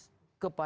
bagaimana itu pak